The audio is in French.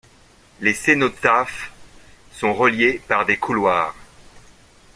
Les cénotaphes sont reliés par des couloirs.